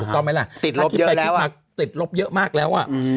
ติดลบเยอะแล้วติดลบเยอะมากแล้ว